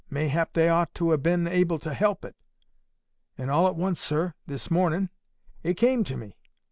Mayhap they ought to ha' been able to help it. And all at once, sir, this mornin', it came to me.